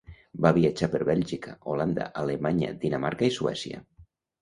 Va viatjar per Bèlgica, Holanda, Alemanya, Dinamarca i Suècia.